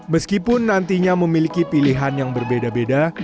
meskipun nantinya memiliki pilihan yang berbeda beda